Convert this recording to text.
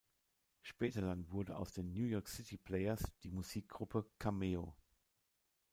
Später dann wurde aus den New York City Players die Musikgruppe Cameo.